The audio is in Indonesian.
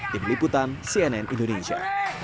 tim liputan cnn indonesia